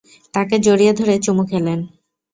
তাঁকে জড়িয়ে ধরে চুমু খেলেন।